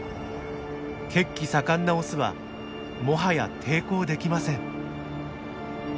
血気盛んなオスはもはや抵抗できません。